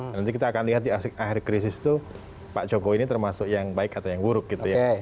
nanti kita akan lihat di akhir krisis itu pak jokowi ini termasuk yang baik atau yang buruk gitu ya